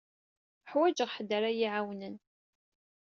Uḥwaǧeɣ ḥedd ara yi-iɛawnen.